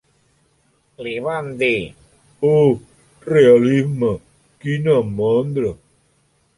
Li van dir "Oh, realisme, quina mandra".